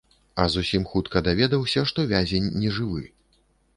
А зусім хутка даведаўся, што вязень нежывы.